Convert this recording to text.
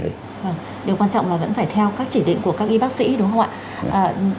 điều quan trọng là vẫn phải theo các chỉ định của các y bác sĩ đúng không ạ